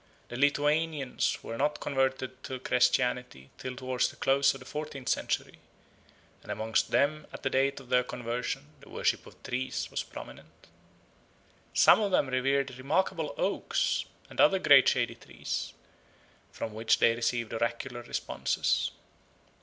The Lithuanians were not converted to Christianity till towards the close of the fourteenth century, and amongst them at the date of their conversion the worship of trees was prominent. Some of them revered remarkable oaks and other great shady trees, from which they received oracular responses.